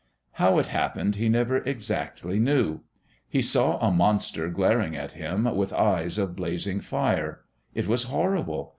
How it happened, he never exactly knew. He saw a Monster glaring at him with eyes of blazing fire. It was horrible!